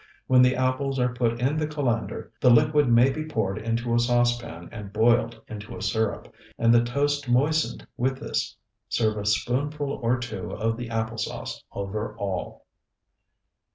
When the apples are put in the colander, the liquid may be poured into a saucepan and boiled into a syrup, and the toast moistened with this. Serve a spoonful or two of the apple sauce over all.